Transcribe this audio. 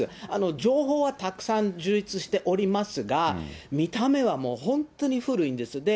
情報はたくさん充実しておりますが、見た目はもう、本当に古いんです。